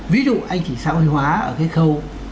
ví dụ anh chỉ sợi hóa ở cái khâu